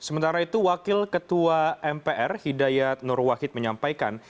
sementara itu wakil ketua mpr hidayat nurwahid menyampaikan